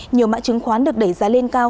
nhiều mã chứng khoán được đẩy giá lên cao